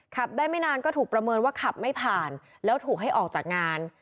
ขับได้ไม่นานก็ถูกประเมินว่าขับไม่ผ่านแล้วถูกให้ออกจากงาน